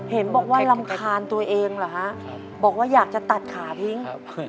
เห็นบอกว่ารำคาญตัวเองเหรอฮะบอกว่าอยากจะตัดขาทิ้ง